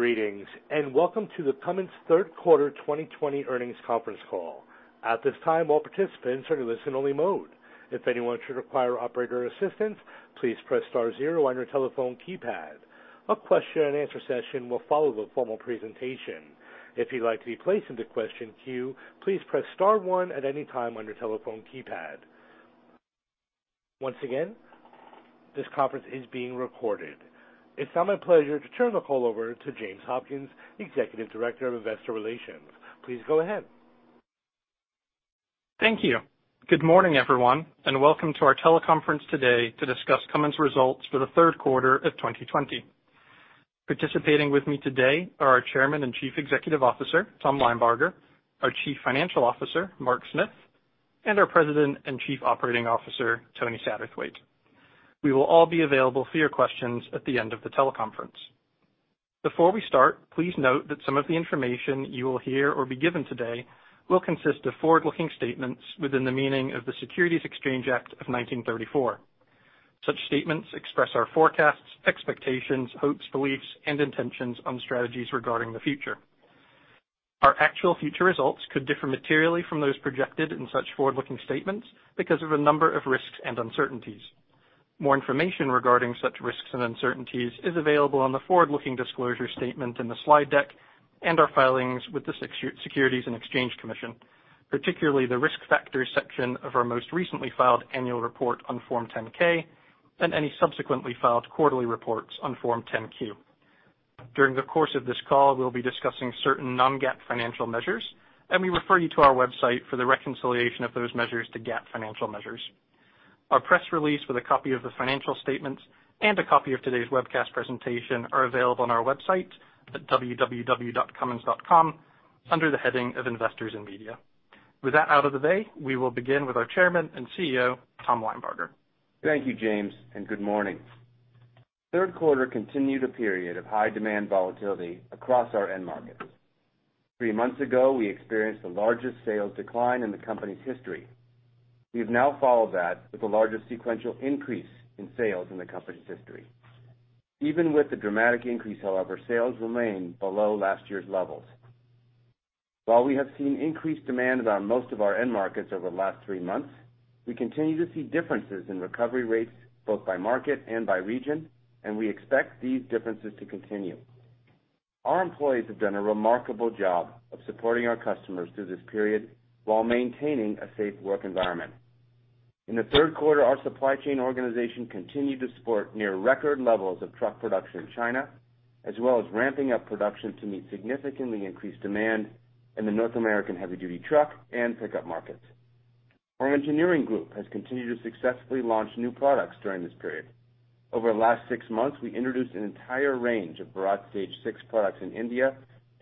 Greetings and welcome to the Cummins third quarter 2020 earnings conference call. At this time, all participants are in a listen-only mode. If anyone of you require operator assistance, please press star zero on your telephone keypad. A question-and-answer session will follow the formal presentation. If you like to place in the question queue, please star one at any time on your telephone keypad. Once again, this conference is being recorded. It's now my pleasure to turn the call over to James Hopkins, Executive Director of Investor Relations. Please go ahead. Thank you. Good morning, everyone, and welcome to our teleconference today to discuss Cummins results for the third quarter of 2020. Participating with me today are our Chairman and Chief Executive Officer, Tom Linebarger, our Chief Financial Officer, Mark Smith, and our President and Chief Operating Officer, Tony Satterthwaite. We will all be available for your questions at the end of the teleconference. Before we start, please note that some of the information you will hear or be given today will consist of forward-looking statements within the meaning of the Securities Exchange Act of 1934. Such statements express our forecasts, expectations, hopes, beliefs, and intentions on strategies regarding the future. Our actual future results could differ materially from those projected in such forward-looking statements because of a number of risks and uncertainties. More information regarding such risks and uncertainties is available on the forward-looking disclosure statement in the slide deck, and our filings with the Securities and Exchange Commission, particularly the risk factors section of our most recently filed annual report on Form 10-K, and any subsequently filed quarterly reports on Form 10-Q. During the course of this call, we'll be discussing certain non-GAAP financial measures, and we refer you to our website for the reconciliation of those measures to GAAP financial measures. Our press release with a copy of the financial statements and a copy of today's webcast presentation are available on our website at www.cummins.com under the heading of Investors and Media. With that out of the way, we will begin with our Chairman and CEO, Tom Linebarger. Thank you, James, and good morning. Third quarter continued a period of high demand volatility across our end markets. Three months ago, we experienced the largest sales decline in the company's history. We have now followed that with the largest sequential increase in sales in the company's history. Even with the dramatic increase, however, sales remain below last year's levels. While we have seen increased demand on most of our end markets over the last three months, we continue to see differences in recovery rates both by market and by region, and we expect these differences to continue. Our employees have done a remarkable job of supporting our customers through this period while maintaining a safe work environment. In the third quarter, our supply chain organization continued to support near record levels of truck production in China, as well as ramping up production to meet significantly increased demand in the North American heavy duty truck and pickup markets. Our engineering group has continued to successfully launch new products during this period. Over the last six months, we introduced an entire range of Bharat Stage-VI products in India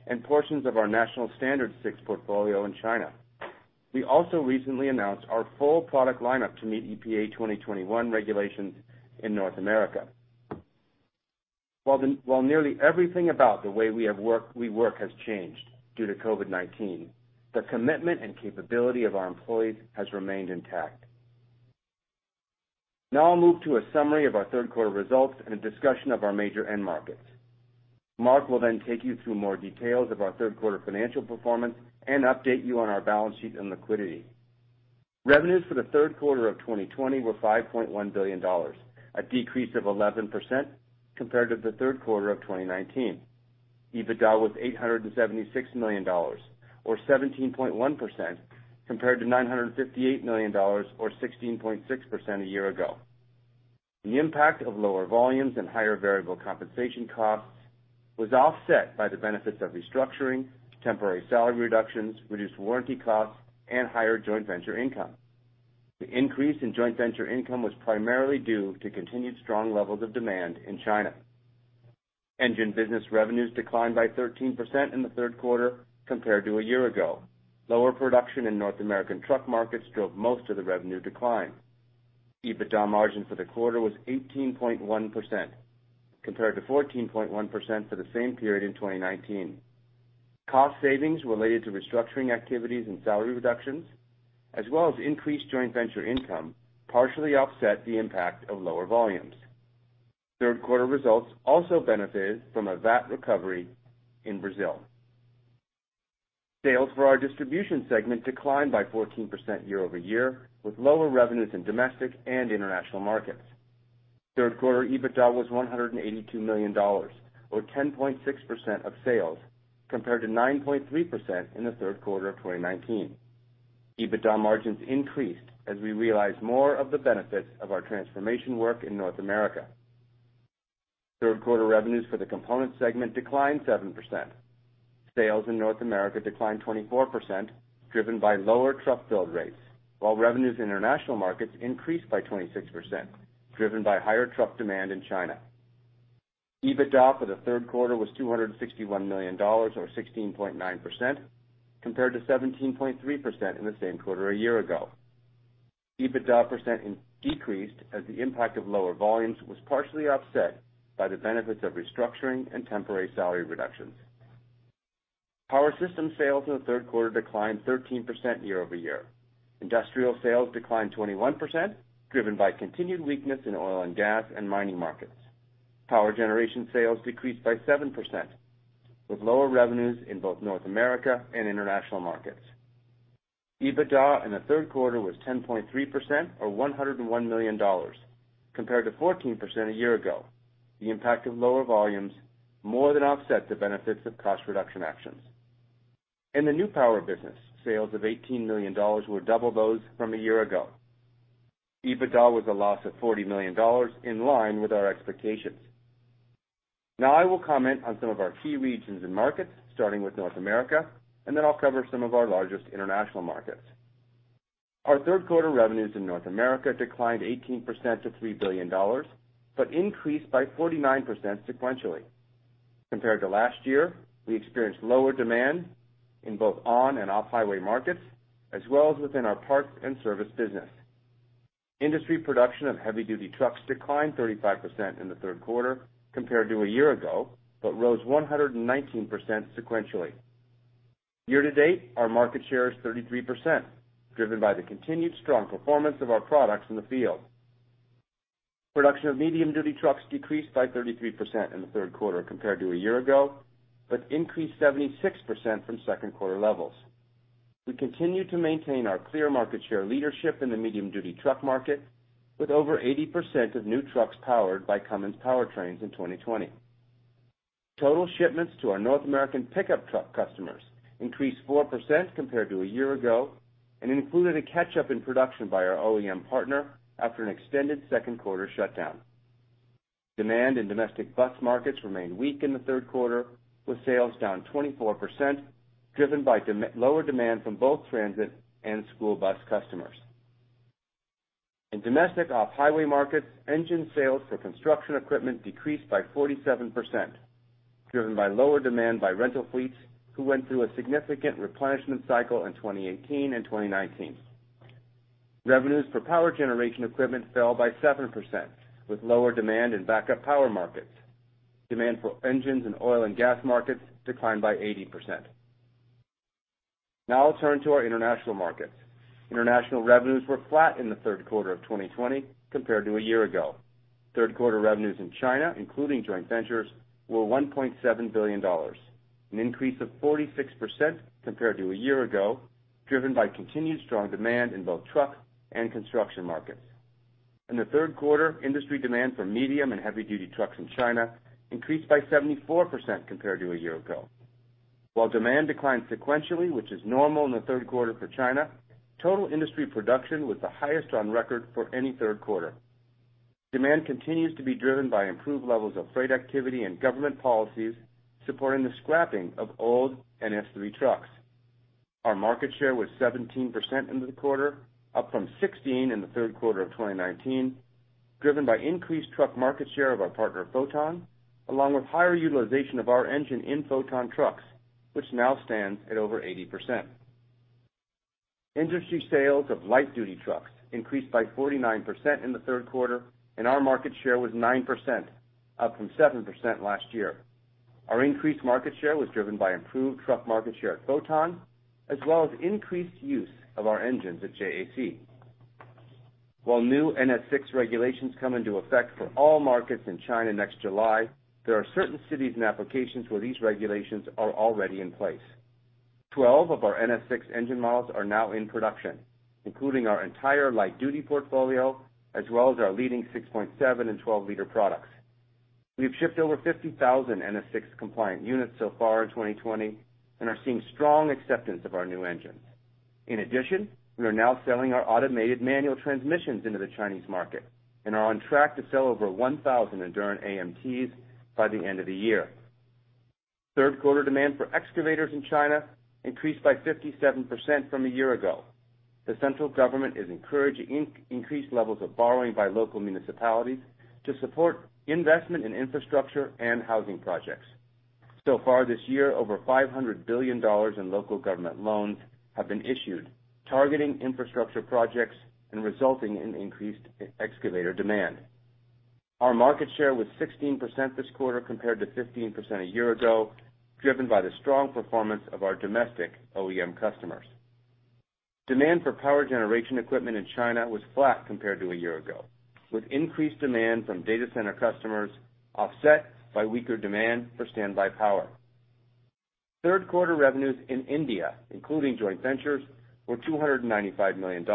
and portions of our National Standard VI portfolio in China. We also recently announced our full product lineup to meet EPA 2021 regulations in North America. While nearly everything about the way we work has changed due to COVID-19, the commitment and capability of our employees has remained intact. Now I'll move to a summary of our third quarter results and a discussion of our major end markets. Mark will take you through more details of our third quarter financial performance and update you on our balance sheet and liquidity. Revenues for the third quarter of 2020 were $5.1 billion, a decrease of 11% compared to the third quarter of 2019. EBITDA was $876 million, or 17.1%, compared to $958 million, or 16.6% a year ago. The impact of lower volumes and higher variable compensation costs was offset by the benefits of restructuring, temporary salary reductions, reduced warranty costs, and higher joint venture income. The increase in joint venture income was primarily due to continued strong levels of demand in China. Engine business revenues declined by 13% in the third quarter compared to a year ago. Lower production in North American truck markets drove most of the revenue decline. EBITDA margin for the quarter was 18.1% compared to 14.1% for the same period in 2019. Cost savings related to restructuring activities and salary reductions, as well as increased joint venture income, partially offset the impact of lower volumes. Third quarter results also benefited from a VAT recovery in Brazil. Sales for our distribution segment declined by 14% year-over-year, with lower revenues in domestic and international markets. Third quarter EBITDA was $182 million, or 10.6% of sales, compared to 9.3% in the third quarter of 2019. EBITDA margins increased as we realized more of the benefits of our transformation work in North America. Third quarter revenues for the components segment declined 7%. Sales in North America declined 24%, driven by lower truck build rates, while revenues in international markets increased by 26%, driven by higher truck demand in China. EBITDA for the third quarter was $261 million, or 16.9%, compared to 17.3% in the same quarter a year ago. EBITDA percent decreased as the impact of lower volumes was partially offset by the benefits of restructuring and temporary salary reductions. Power system sales in the third quarter declined 13% year-over-year. Industrial sales declined 21%, driven by continued weakness in oil and gas and mining markets. Power generation sales decreased by 7%, with lower revenues in both North America and international markets. EBITDA in the third quarter was 10.3%, or $101 million, compared to 14% a year ago. The impact of lower volumes more than offset the benefits of cost reduction actions. In the new power business, sales of $18 million were double those from a year ago. EBITDA was a loss of $40 million, in line with our expectations. I will comment on some of our key regions and markets, starting with North America, and then I'll cover some of our largest international markets. Our third quarter revenues in North America declined 18% to $3 billion, but increased by 49% sequentially. Compared to last year, we experienced lower demand in both on- and off-highway markets, as well as within our parts and service business. Industry production of heavy-duty trucks declined 35% in the third quarter compared to a year ago, but rose 119% sequentially. Year-to-date, our market share is 33%, driven by the continued strong performance of our products in the field. Production of medium-duty trucks decreased by 33% in the third quarter compared to a year ago, but increased 76% from second quarter levels. We continue to maintain our clear market share leadership in the medium-duty truck market, with over 80% of new trucks powered by Cummins powertrains in 2020. Total shipments to our North American pickup truck customers increased 4% compared to a year ago and included a catch-up in production by our OEM partner after an extended second quarter shutdown. Demand in domestic bus markets remained weak in the third quarter, with sales down 24%, driven by lower demand from both transit and school bus customers. In domestic off-highway markets, engine sales for construction equipment decreased by 47%, driven by lower demand by rental fleets who went through a significant replenishment cycle in 2018 and 2019. Revenues for power generation equipment fell by 7%, with lower demand in backup power markets. Demand for engines in oil and gas markets declined by 80%. I'll turn to our international markets. International revenues were flat in the third quarter of 2020 compared to a year ago. Third-quarter revenues in China, including joint ventures, were $1.7 billion, an increase of 46% compared to a year ago, driven by continued strong demand in both truck and construction markets. In the third quarter, industry demand for medium and heavy-duty trucks in China increased by 74% compared to a year ago. While demand declined sequentially, which is normal in the third quarter for China, total industry production was the highest on record for any third quarter. Demand continues to be driven by improved levels of freight activity and government policies supporting the scrapping of old NSIII trucks. Our market share was 17% in the quarter, up from 16% in the third quarter of 2019, driven by increased truck market share of our partner, Foton, along with higher utilization of our engine in Foton trucks, which now stands at over 80%. Industry sales of light-duty trucks increased by 49% in the third quarter, and our market share was 9%, up from 7% last year. Our increased market share was driven by improved truck market share at Foton as well as increased use of our engines at JAC. While new NSVI regulations come into effect for all markets in China next July, there are certain cities and applications where these regulations are already in place. 12 of our NSVI engine models are now in production, including our entire light-duty portfolio as well as our leading 6.7 L and 12 L products. We've shipped over 50,000 NSVI compliant units so far in 2020 and are seeing strong acceptance of our new engines. In addition, we are now selling our automated manual transmissions into the Chinese market and are on track to sell over 1,000 Endurant AMTs by the end of the year. Third quarter demand for excavators in China increased by 57% from a year ago. The central government is encouraging increased levels of borrowing by local municipalities to support investment in infrastructure and housing projects. So far this year, over $500 billion in local government loans have been issued, targeting infrastructure projects and resulting in increased excavator demand. Our market share was 16% this quarter compared to 15% a year ago, driven by the strong performance of our domestic OEM customers. Demand for power generation equipment in China was flat compared to a year ago, with increased demand from data center customers offset by weaker demand for standby power. Third quarter revenues in India, including joint ventures, were $295 million,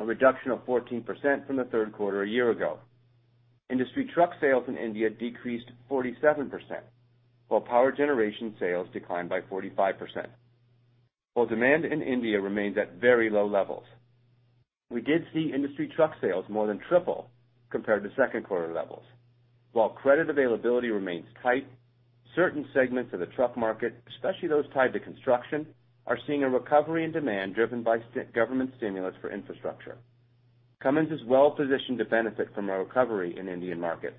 a reduction of 14% from the third quarter a year ago. Industry truck sales in India decreased 47%, while power generation sales declined by 45%. While demand in India remains at very low levels, we did see industry truck sales more than triple compared to second quarter levels. While credit availability remains tight, certain segments of the truck market, especially those tied to construction, are seeing a recovery in demand driven by government stimulus for infrastructure. Cummins is well-positioned to benefit from a recovery in Indian markets,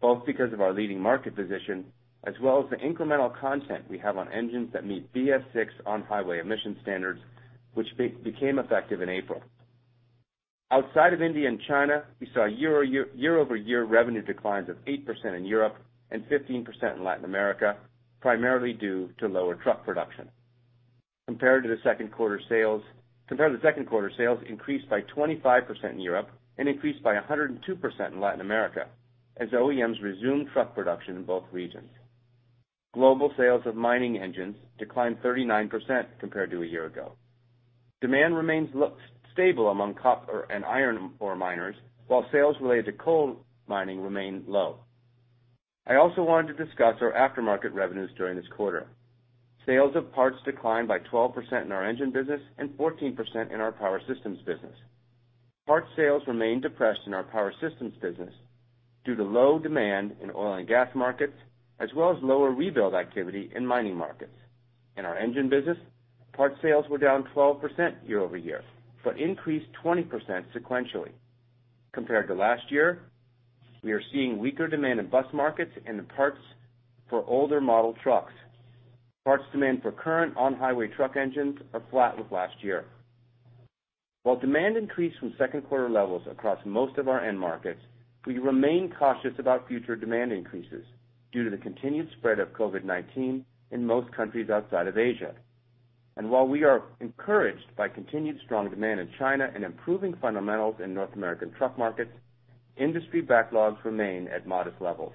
both because of our leading market position as well as the incremental content we have on engines that meet BSVI on-highway emissions standards, which became effective in April. Outside of India and China, we saw year-over-year revenue declines of 8% in Europe and 15% in Latin America, primarily due to lower truck production. Compared to the second quarter, sales increased by 25% in Europe and increased by 102% in Latin America, as OEMs resumed truck production in both regions. Global sales of mining engines declined 39% compared to a year ago. Demand remains stable among copper and iron ore miners, while sales related to coal mining remain low. I also wanted to discuss our aftermarket revenues during this quarter. Sales of parts declined by 12% in our engine business and 14% in our power systems business. Part sales remain depressed in our power systems business due to low demand in oil and gas markets, as well as lower rebuild activity in mining markets. In our engine business, part sales were down 12% year-over-year, but increased 20% sequentially. Compared to last year, we are seeing weaker demand in bus markets and in parts for older model trucks. Parts demand for current on-highway truck engines are flat with last year. While demand increased from second quarter levels across most of our end markets, we remain cautious about future demand increases due to the continued spread of COVID-19 in most countries outside of Asia. While we are encouraged by continued strong demand in China and improving fundamentals in North American truck markets, industry backlogs remain at modest levels.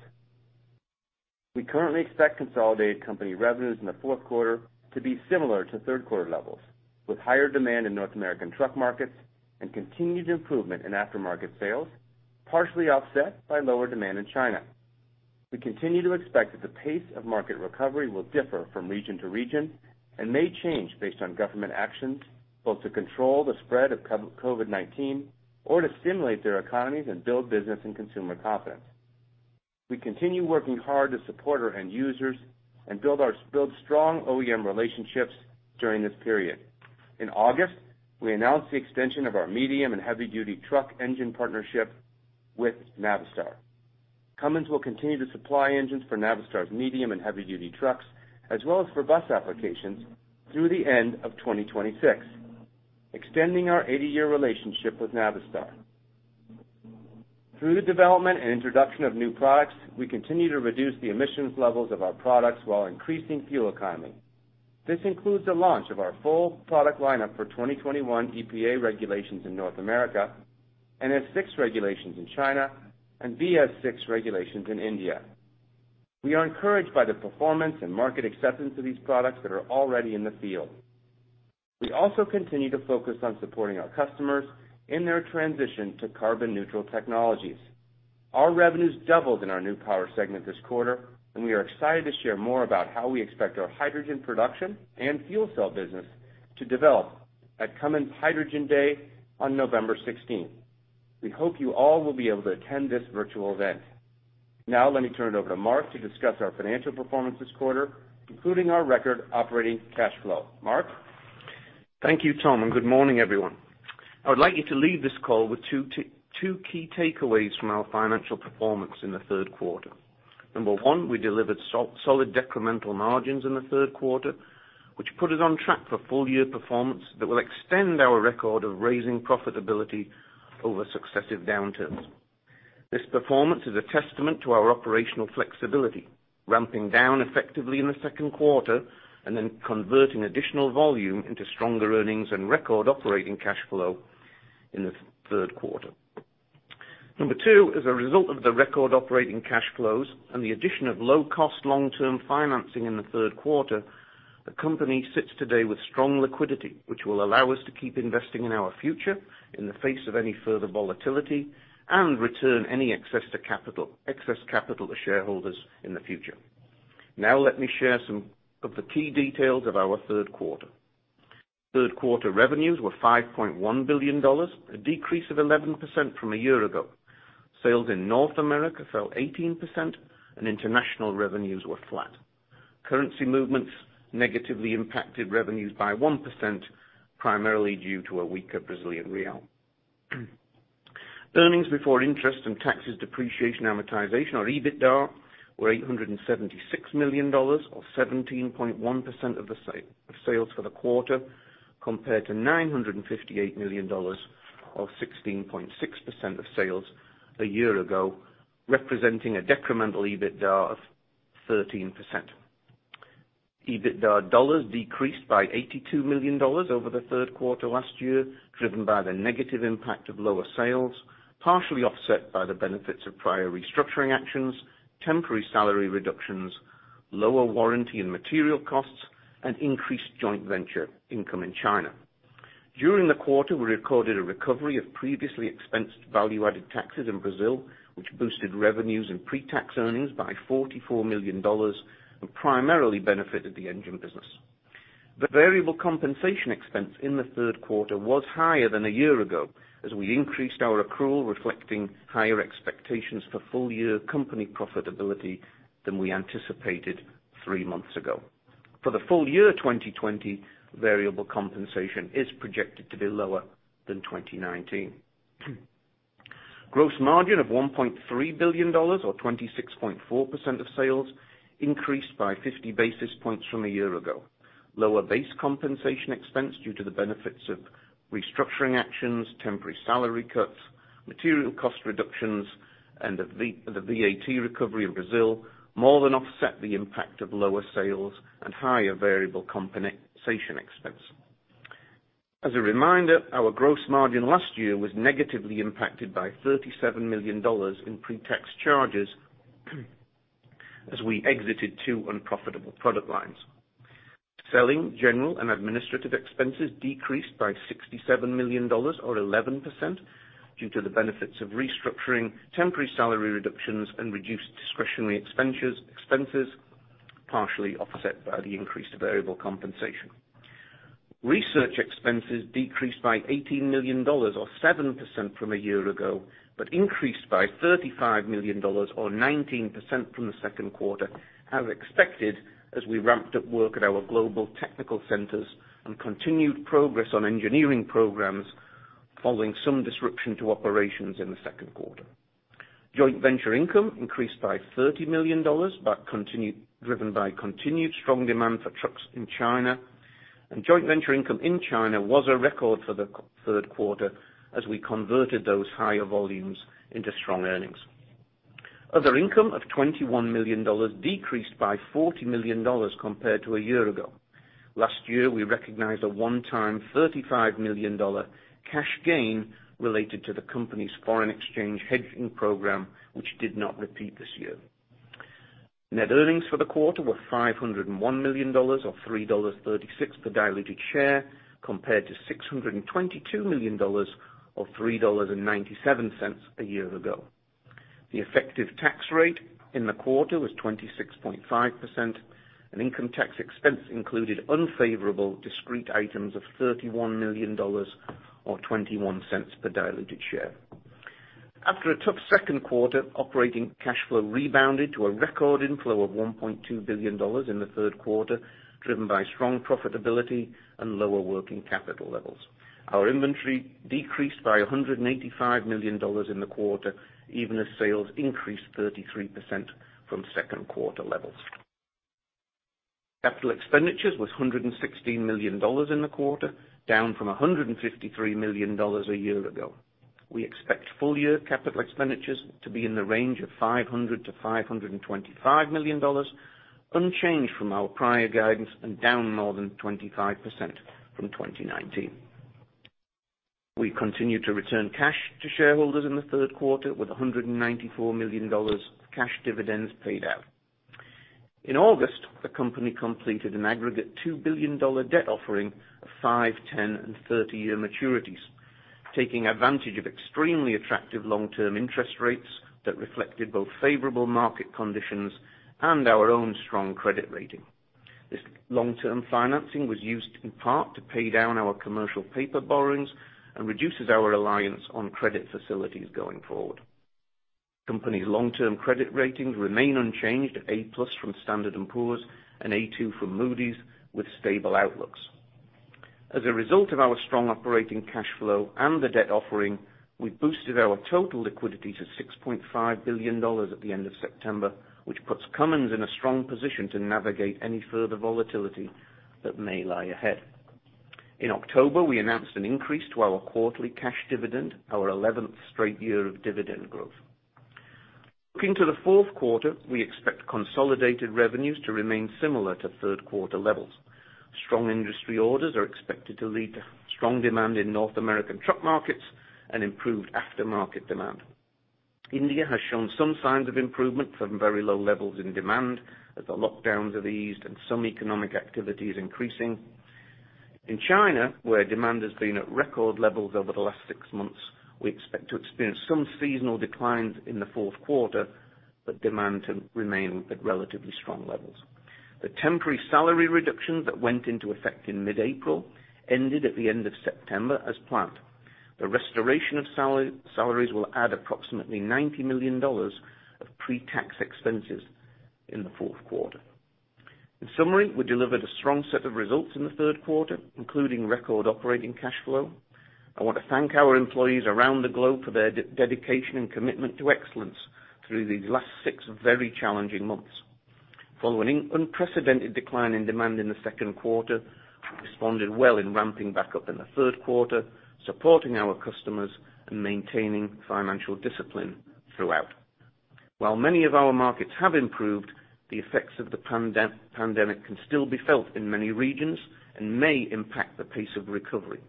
We currently expect consolidated company revenues in the fourth quarter to be similar to third quarter levels, with higher demand in North American truck markets and continued improvement in aftermarket sales, partially offset by lower demand in China. We continue to expect that the pace of market recovery will differ from region to region and may change based on government actions, both to control the spread of COVID-19 or to stimulate their economies and build business and consumer confidence. We continue working hard to support our end users and build strong OEM relationships during this period. In August, we announced the extension of our medium and heavy duty truck engine partnership with Navistar. Cummins will continue to supply engines for Navistar's medium and heavy duty trucks, as well as for bus applications through the end of 2026, extending our 80-year relationship with Navistar. Through the development and introduction of new products, we continue to reduce the emissions levels of our products while increasing fuel economy. This includes the launch of our full product lineup for 2021 EPA regulations in North America, NSVI regulations in China and BSVI regulations in India. We are encouraged by the performance and market acceptance of these products that are already in the field. We also continue to focus on supporting our customers in their transition to carbon neutral technologies. Our revenues doubled in our new power segment this quarter. We are excited to share more about how we expect our hydrogen production and fuel cell business to develop at Cummins Hydrogen Day on November 16th. We hope you all will be able to attend this virtual event. Now let me turn it over to Mark to discuss our financial performance this quarter, including our record operating cash flow. Mark? Thank you, Tom, and good morning, everyone. I would like you to leave this call with two key takeaways from our financial performance in the third quarter. Number one, we delivered solid decremental margins in the third quarter, which put us on track for full year performance that will extend our record of raising profitability over successive downturns. This performance is a testament to our operational flexibility, ramping down effectively in the second quarter and then converting additional volume into stronger earnings and record operating cash flow in the third quarter. Number two, as a result of the record operating cash flows and the addition of low-cost long-term financing in the third quarter, the company sits today with strong liquidity, which will allow us to keep investing in our future in the face of any further volatility and return any excess capital to shareholders in the future. Now let me share some of the key details of our third quarter. Third quarter revenues were $5.1 billion, a decrease of 11% from a year ago. Sales in North America fell 18%, and international revenues were flat. Currency movements negatively impacted revenues by 1%, primarily due to a weaker Brazilian real. Earnings before interest and taxes, depreciation, amortization, or EBITDA, were $876 million, or 17.1% of sales for the quarter, compared to $958 million, or 16.6% of sales a year ago, representing a decremental EBITDA of 13%. EBITDA dollars decreased by $82 million over the third quarter last year, driven by the negative impact of lower sales, partially offset by the benefits of prior restructuring actions, temporary salary reductions, lower warranty and material costs, and increased joint venture income in China. During the quarter, we recorded a recovery of previously expensed value-added taxes in Brazil, which boosted revenues and pre-tax earnings by $44 million and primarily benefited the engine business. The variable compensation expense in the third quarter was higher than a year ago, as we increased our accrual reflecting higher expectations for full year company profitability than we anticipated three months ago. For the full year 2020, variable compensation is projected to be lower than 2019. Gross margin of $1.3 billion, or 26.4% of sales, increased by 50 basis points from a year ago. Lower base compensation expense due to the benefits of restructuring actions, temporary salary cuts, material cost reductions, and the VAT recovery in Brazil more than offset the impact of lower sales and higher variable compensation expense. As a reminder, our gross margin last year was negatively impacted by $37 million in pre-tax charges as we exited two unprofitable product lines. Selling, general and administrative expenses decreased by $67 million, or 11%, due to the benefits of restructuring temporary salary reductions and reduced discretionary expenses, partially offset by the increased variable compensation. Research expenses decreased by $18 million, or 7% from a year ago, but increased by $35 million, or 19% from the second quarter, as expected, as we ramped up work at our global technical centers and continued progress on engineering programs, following some disruption to operations in the second quarter. Joint venture income increased by $30 million, driven by continued strong demand for trucks in China. Joint venture income in China was a record for the third quarter as we converted those higher volumes into strong earnings. Other income of $21 million, decreased by $40 million compared to a year ago. Last year, we recognized a one-time $35 million cash gain related to the company's foreign exchange hedging program, which did not repeat this year. Net earnings for the quarter were $501 million, or $3.36 per diluted share, compared to $622 million or $3.97 a year ago. The effective tax rate in the quarter was 26.5%, and income tax expense included unfavorable discrete items of $31 million, or $0.21 per diluted share. After a tough second quarter, operating cash flow rebounded to a record inflow of $1.2 billion in the third quarter, driven by strong profitability and lower working capital levels. Our inventory decreased by $185 million in the quarter, even as sales increased 33% from second quarter levels. Capital expenditures was $116 million in the quarter, down from $153 million a year ago. We expect full-year capital expenditures to be in the range of $500 million-$525 million, unchanged from our prior guidance and down more than 25% from 2019. We continued to return cash to shareholders in the third quarter with $194 million of cash dividends paid out. In August, the company completed an aggregate $2 billion debt offering of five, 10, and 30-year maturities, taking advantage of extremely attractive long-term interest rates that reflected both favorable market conditions and our own strong credit rating. This long-term financing was used in part to pay down our commercial paper borrowings and reduces our reliance on credit facilities going forward. Company's long-term credit ratings remain unchanged at A+ from Standard & Poor's and A2 from Moody's, with stable outlooks. As a result of our strong operating cash flow and the debt offering, we boosted our total liquidity to $6.5 billion at the end of September, which puts Cummins in a strong position to navigate any further volatility that may lie ahead. In October, we announced an increase to our quarterly cash dividend, our 11th straight year of dividend growth. Looking to the fourth quarter, we expect consolidated revenues to remain similar to third quarter levels. Strong industry orders are expected to lead to strong demand in North American truck markets and improved aftermarket demand. India has shown some signs of improvement from very low levels in demand as the lockdowns have eased and some economic activity is increasing. In China, where demand has been at record levels over the last six months, we expect to experience some seasonal declines in the fourth quarter, but demand to remain at relatively strong levels. The temporary salary reductions that went into effect in mid-April ended at the end of September as planned. The restoration of salaries will add approximately $90 million of pre-tax expenses in the fourth quarter. In summary, we delivered a strong set of results in the third quarter, including record operating cash flow. I want to thank our employees around the globe for their dedication and commitment to excellence through these last six very challenging months. Following unprecedented decline in demand in the second quarter, we responded well in ramping back up in the third quarter, supporting our customers and maintaining financial discipline throughout. While many of our markets have improved, the effects of the pandemic can still be felt in many regions and may impact the pace of recovery.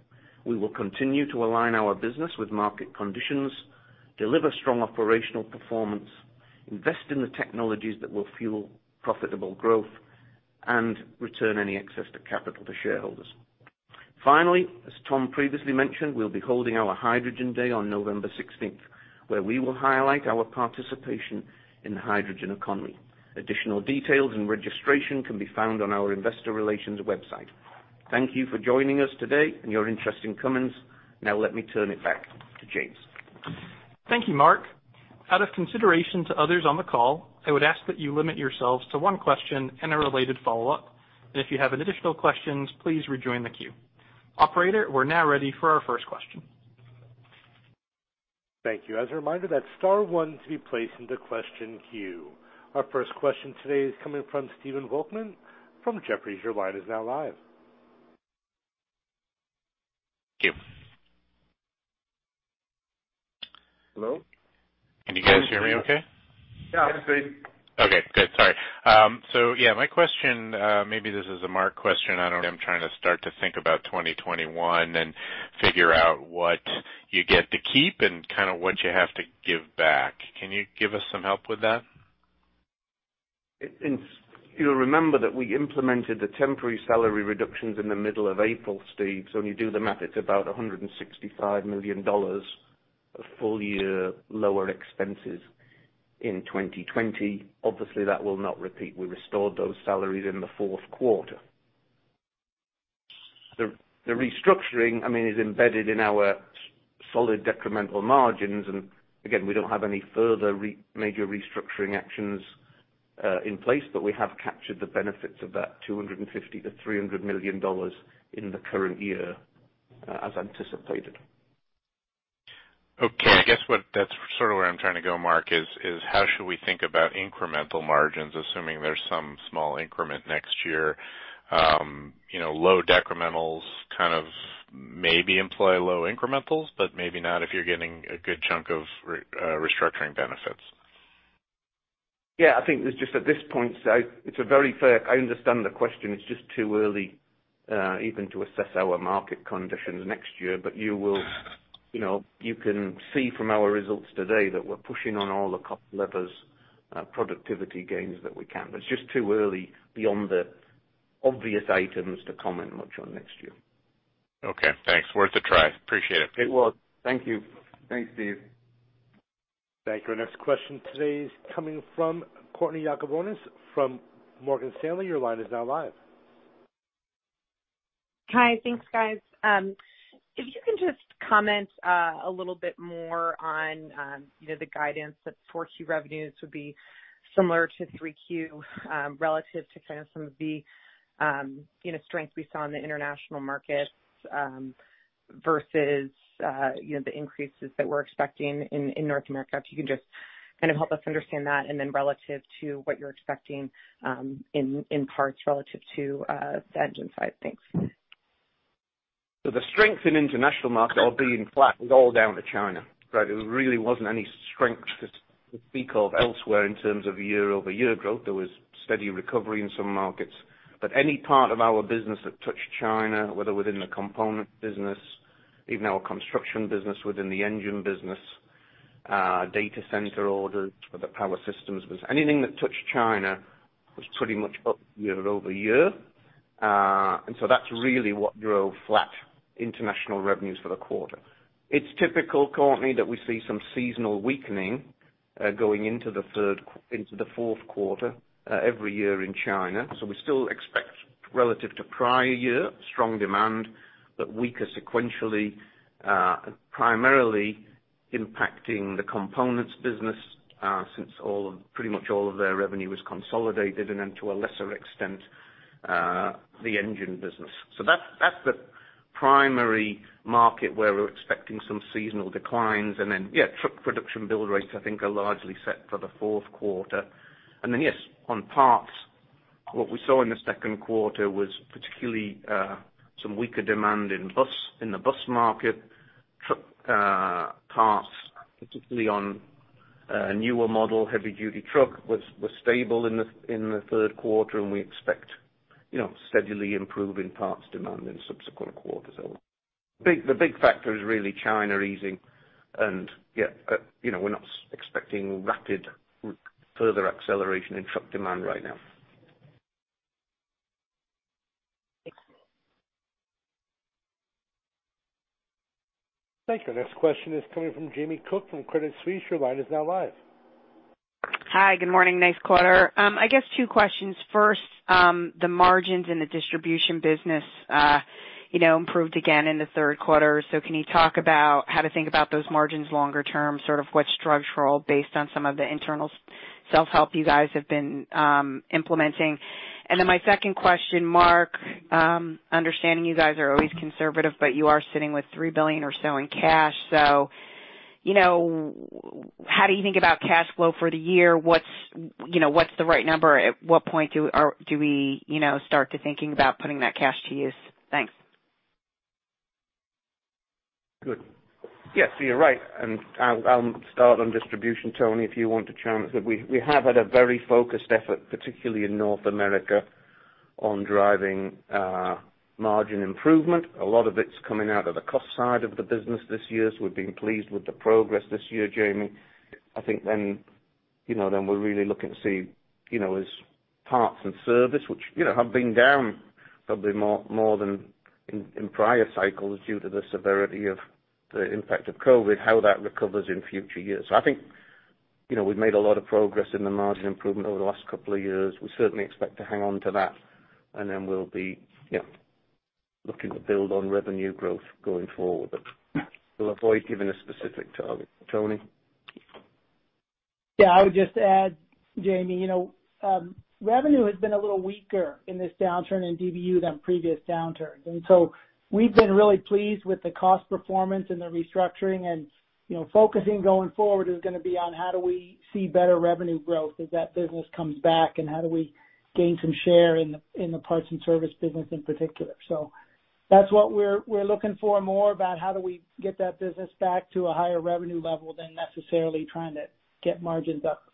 We will continue to align our business with market conditions, deliver strong operational performance, invest in the technologies that will fuel profitable growth, and return any excess to capital to shareholders. Finally, as Tom previously mentioned, we'll be holding our Hydrogen Day on November 16th, where we will highlight our participation in the hydrogen economy. Additional details and registration can be found on our investor relations website. Thank you for joining us today and your interest in Cummins. Now let me turn it back to James. Thank you, Mark. Out of consideration to others on the call, I would ask that you limit yourselves to one question and a related follow-up. If you have any additional questions, please rejoin the queue. Operator, we're now ready for our first question. Thank you. As a reminder, that's star one to be placed into question queue. Our first question today is coming from Stephen Volkmann from Jefferies. Your line is now live. Thank you. Hello? Can you guys hear me okay? Yeah. Hi Steve. Okay, good. Sorry. Yeah, my question, maybe this is a Mark question. I'm trying to start to think about 2021 and figure out what you get to keep and kind of what you have to give back. Can you give us some help with that? You'll remember that we implemented the temporary salary reductions in the middle of April, Steve. When you do the math, it's about $165 million of full year lower expenses in 2020. Obviously, that will not repeat. We restored those salaries in the fourth quarter. The restructuring, I mean, is embedded in our solid decremental margins. Again, we don't have any further major restructuring actions in place, but we have captured the benefits of that $250 million-$300 million in the current year, as anticipated. Okay. I guess that's sort of where I'm trying to go, Mark, is how should we think about incremental margins, assuming there's some small increment next year? Low decrementals kind of maybe imply low incrementals, maybe not if you're getting a good chunk of restructuring benefits. I think it's just at this point, I understand the question. It's just too early even to assess our market conditions next year. You can see from our results today that we're pushing on all the cost levers, productivity gains that we can. It's just too early beyond the obvious items to comment much on next year. Okay, thanks. Worth a try. Appreciate it. It was. Thank you. Thanks, Steve. Thank you. Our next question today is coming from Courtney Yakavonis from Morgan Stanley. Your line is now live. Hi. Thanks, guys. If you can just comment a little bit more on the guidance that 4Q revenues would be similar to 3Q relative to kind of some of the strength we saw in the international markets versus the increases that we're expecting in North America. If you can just kind of help us understand that and then relative to what you're expecting in parts relative to the engine side. Thanks. The strength in international market or being flat was all down to China, right? There really wasn't any strength to speak of elsewhere in terms of year-over-year growth. There was steady recovery in some markets. Any part of our business that touched China, whether within the component business, even our construction business within the engine business, data center orders for the power systems business, anything that touched China was pretty much up year-over-year. That's really what drove flat international revenues for the quarter. It's typical, Courtney, that we see some seasonal weakening going into the fourth quarter every year in China. We still expect relative to prior year, strong demand, but weaker sequentially, primarily impacting the components business, since pretty much all of their revenue is consolidated and then to a lesser extent, the engine business. That's the primary market where we're expecting some seasonal declines. Then, yeah, truck production build rates I think are largely set for the fourth quarter. Then yes, on parts, what we saw in the second quarter was particularly some weaker demand in the bus market. Truck parts, particularly on newer model heavy duty truck was stable in the third quarter. We expect steadily improving parts demand in subsequent quarters. The big factor is really China easing. Yeah, we're not expecting rapid further acceleration in truck demand right now. Thanks. Thank you. Our next question is coming from Jamie Cook from Credit Suisse. Your line is now live. Hi, good morning. Nice quarter. I guess two questions. First, the margins in the distribution business improved again in the third quarter. Can you talk about how to think about those margins longer term, sort of what's structural based on some of the internal self-help you guys have been implementing? My second question, Mark, understanding you guys are always conservative, but you are sitting with $3 billion or so in cash. How do you think about cash flow for the year? What's the right number? At what point do we start to thinking about putting that cash to use? Thanks. Good. You're right. I'll start on distribution. Tony, if you want to chime in. We have had a very focused effort, particularly in North America, on driving margin improvement. A lot of it's coming out of the cost side of the business this year. We've been pleased with the progress this year, Jamie. I think we're really looking to see as parts and service, which have been down probably more than in prior cycles due to the severity of the impact of COVID, how that recovers in future years. I think we've made a lot of progress in the margin improvement over the last couple of years. We certainly expect to hang on to that. We'll be looking to build on revenue growth going forward. We'll avoid giving a specific target. Tony? Yeah, I would just add, Jamie, revenue has been a little weaker in this downturn in DBU than previous downturns. We've been really pleased with the cost performance and the restructuring and focusing going forward is going to be on how do we see better revenue growth as that business comes back, and how do we gain some share in the parts and service business in particular. That's what we're looking for more about how do we get that business back to a higher revenue level than necessarily trying to get margins up.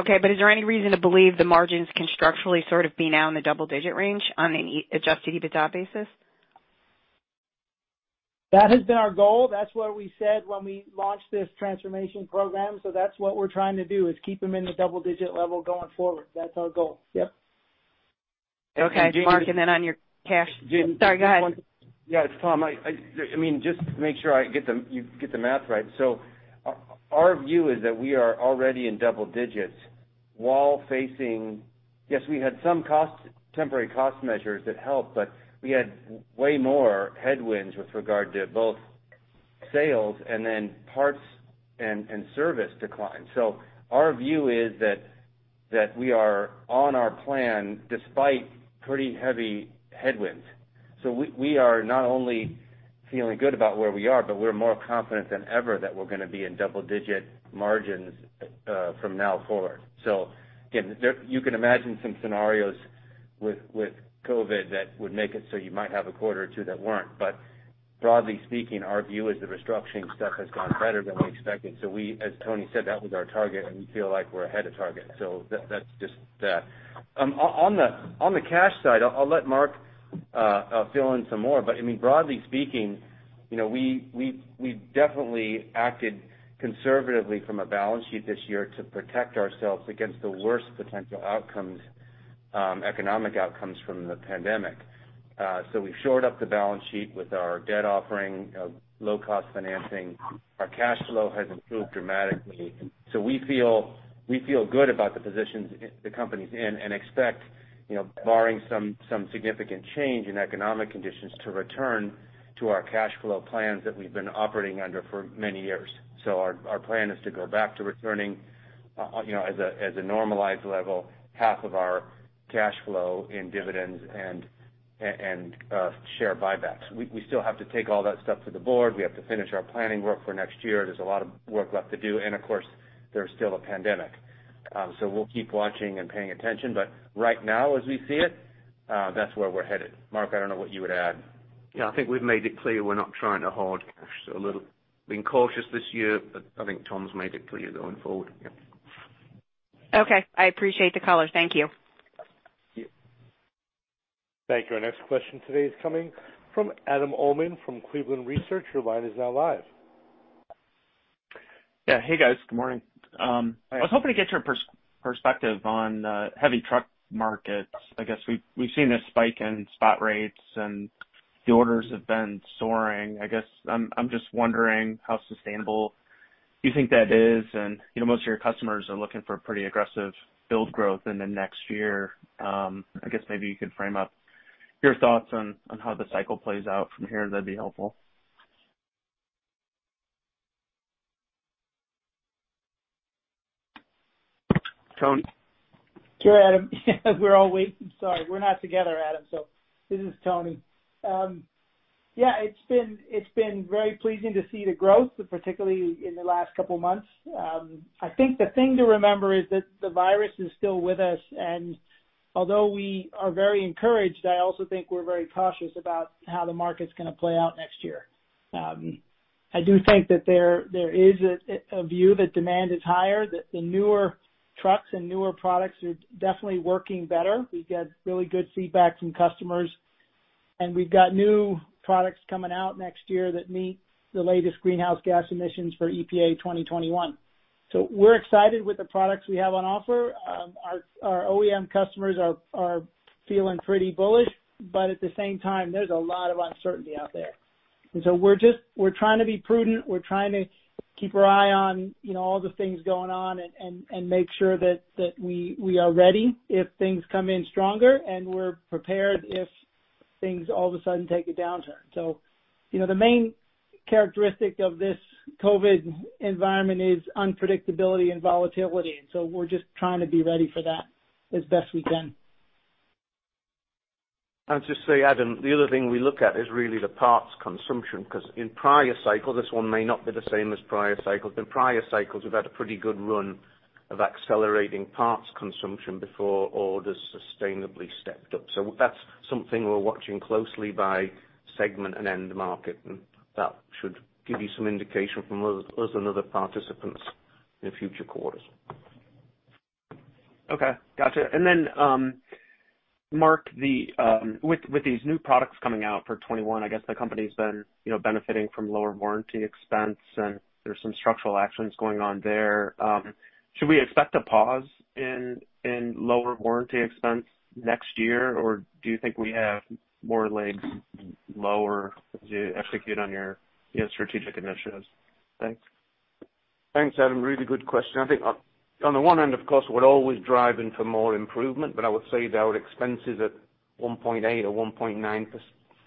Okay, is there any reason to believe the margins can structurally sort of be now in the double-digit range on an adjusted EBITDA basis? That has been our goal. That's what we said when we launched this transformation program. That's what we're trying to do, is keep them in the double-digit level going forward. That's our goal. Yep. Okay. Mark, then on your cash. Sorry, go ahead. Yeah. It's Tom. Just to make sure you get the math right. Our view is that we are already in double digits while facing. Yes, we had some temporary cost measures that helped, but we had way more headwinds with regard to both sales and then parts and service decline. Our view is that we are on our plan despite pretty heavy headwinds. We are not only feeling good about where we are, but we're more confident than ever that we're going to be in double-digit margins from now forward. Again, you can imagine some scenarios with COVID that would make it so you might have a quarter or two that weren't. Broadly speaking, our view is the restructuring stuff has gone better than we expected. We, as Tony said, that was our target and we feel like we're ahead of target. That's just that. On the cash side, I'll let Mark fill in some more. Broadly speaking, we definitely acted conservatively from a balance sheet this year to protect ourselves against the worst potential outcomes, economic outcomes from the pandemic. We've shored up the balance sheet with our debt offering, low cost financing. Our cash flow has improved dramatically. We feel good about the positions the company's in and expect, barring some significant change in economic conditions to return to our cash flow plans that we've been operating under for many years. Our plan is to go back to returning as a normalized level, half of our cash flow in dividends and share buybacks. We still have to take all that stuff to the board. We have to finish our planning work for next year. There's a lot of work left to do, and of course there's still a pandemic. We'll keep watching and paying attention, but right now as we see it, that's where we're headed. Mark, I don't know what you would add. Yeah, I think we've made it clear we're not trying to hoard cash. A little being cautious this year, but I think Tom's made it clear going forward. Yep. Okay. I appreciate the color. Thank you. Thank you. Thank you. Our next question today is coming from Adam Uhlman from Cleveland Research. Your line is now live. Yeah. Hey, guys. Good morning. Hi. I was hoping to get your perspective on heavy truck markets. I guess we've seen a spike in spot rates and the orders have been soaring. I guess I'm just wondering how sustainable you think that is. Most of your customers are looking for pretty aggressive build growth in the next year. I guess maybe you could frame up your thoughts on how the cycle plays out from here. That'd be helpful. Tony? Sure, Adam. We're all waiting. Sorry, we're not together, Adam. This is Tony. It's been very pleasing to see the growth, particularly in the last couple of months. I think the thing to remember is that the virus is still with us, and although we are very encouraged, I also think we're very cautious about how the market's going to play out next year. I do think that there is a view that demand is higher, that the newer trucks and newer products are definitely working better. We get really good feedback from customers, and we've got new products coming out next year that meet the latest greenhouse gas emissions for EPA 2021. We're excited with the products we have on offer. Our OEM customers are feeling pretty bullish, but at the same time, there's a lot of uncertainty out there. We're trying to be prudent. We're trying to keep our eye on all the things going on, and make sure that we are ready if things come in stronger and we're prepared if things all of a sudden take a downturn. The main characteristic of this COVID environment is unpredictability and volatility. We're just trying to be ready for that as best we can. I'll just say, Adam, the other thing we look at is really the parts consumption, because in prior cycles, this one may not be the same as prior cycles. In prior cycles, we've had a pretty good run of accelerating parts consumption before orders sustainably stepped up. That's something we're watching closely by segment and end market, and that should give you some indication from us and other participants in future quarters. Okay. Got you. Mark, with these new products coming out for 2021, I guess the company's been benefiting from lower warranty expense and there's some structural actions going on there. Should we expect a pause in lower warranty expense next year, or do you think we have more legs lower to execute on your strategic initiatives? Thanks. Thanks, Adam. Really good question. On the one end, of course, we're always driving for more improvement, but I would say our expenses at 1.8% or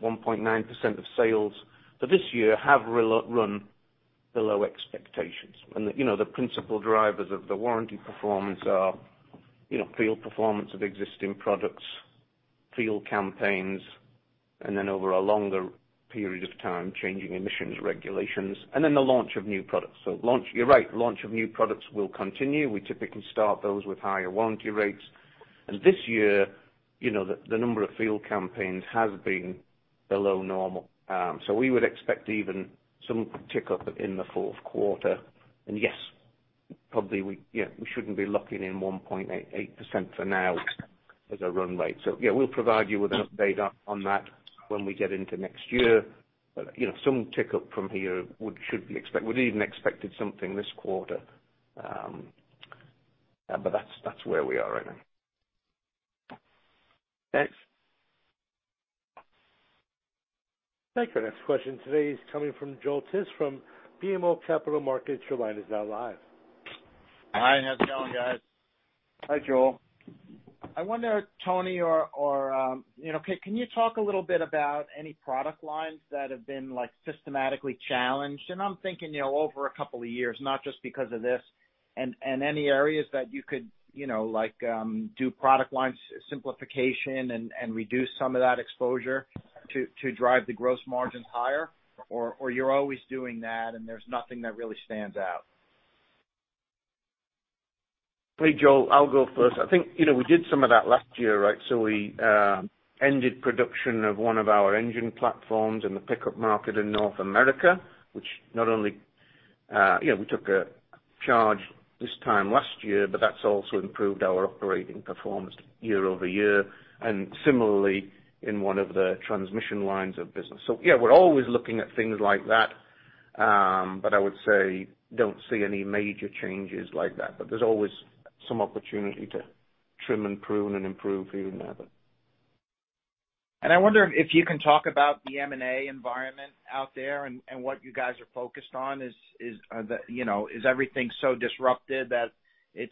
1.9% of sales for this year have run below expectations. The principal drivers of the warranty performance are field performance of existing products, field campaigns, and then over a longer period of time, changing emissions regulations, and then the launch of new products. You're right, launch of new products will continue. We typically start those with higher warranty rates. This year, the number of field campaigns has been below normal. We would expect even some tick up in the fourth quarter. Yes, probably we shouldn't be locking in 1.88% for now as a run rate. Yeah, we'll provide you with an update on that when we get into next year. Some tick up from here should be expected. We'd even expected something this quarter. That's where we are right now. Thanks. Thank you. Our next question today is coming from Joel Tiss from BMO Capital Markets. Your line is now live. Hi, how's it going, guys? Hi, Joel. I wonder, Tony, can you talk a little bit about any product lines that have been systematically challenged? I'm thinking over a couple of years, not just because of this. Any areas that you could do product line simplification and reduce some of that exposure to drive the gross margins higher? You're always doing that and there's nothing that really stands out? Hey, Joel, I'll go first. I think we did some of that last year, right? We ended production of one of our engine platforms in the pickup market in North America, which not only we took a charge this time last year, but that's also improved our operating performance year-over-year and similarly in one of the transmission lines of business. Yeah, we're always looking at things like that. I would say, don't see any major changes like that, but there's always some opportunity to trim and prune and improve even there. I wonder if you can talk about the M&A environment out there and what you guys are focused on. Is everything so disrupted that it's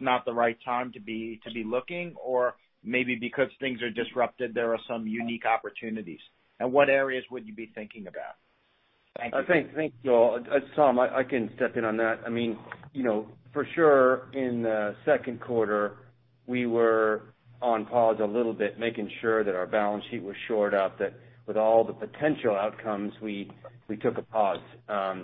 not the right time to be looking? Or maybe because things are disrupted, there are some unique opportunities? What areas would you be thinking about? Thank you. Thanks, Joel. Tom, I can step in on that. For sure, in the second quarter, we were on pause a little bit, making sure that our balance sheet was shored up, that with all the potential outcomes, we took a pause. As